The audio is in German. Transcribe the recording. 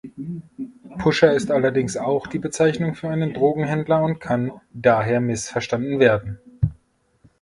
Pusher ist allerdings auch die Bezeichnung für einen Drogenhändler und kann daher missverstanden werden.